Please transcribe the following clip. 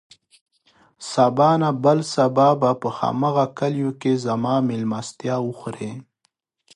سبا نه، بل سبا به په هماغه کليو کې زما مېلمستيا وخورې.